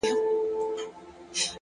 علم د انسان وړتیا لوړوي,